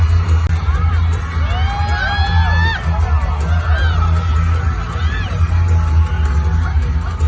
กลับไปกลับไป